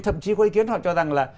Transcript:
thậm chí có ý kiến họ cho rằng là